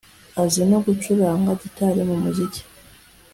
azi no gucuranga gitari mu muziki